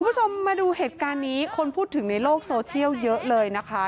คุณผู้ชมมาดูเหตุการณ์นี้คนพูดถึงในโลกโซเชียลเยอะเลยนะคะ